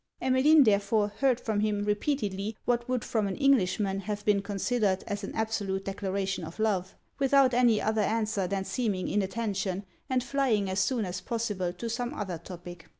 Emmeline therefore heard from him repeatedly what would from an Englishman have been considered as an absolute declaration of love, without any other answer than seeming inattention, and flying as soon as possible to some other topic.